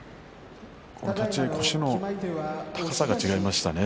立ち合い腰の高さが違いましたね。